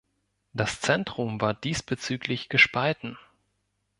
Das Zentrum war diesbezüglich gespalten.